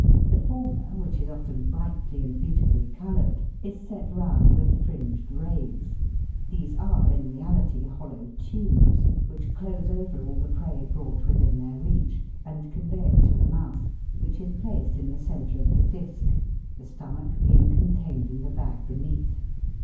The former, which is often brightly and beautifully coloured, is set round with fringed rays ; these are in reality hollow tubes, which close over all the prey brought within their reach, and convey it to the mouth, which is placed in the centre of the disk, the stomach being contained in the bag beneath.